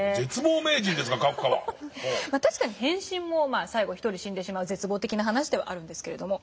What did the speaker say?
確かに「変身」も最後独り死んでしまう絶望的な話ではあるんですけども。